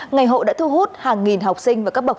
ngày hội đã thu hút hàng nghìn học sinh và các bạn nhé